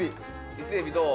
伊勢海老どう？